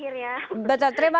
pertanyaan ini tak boleh dilakukan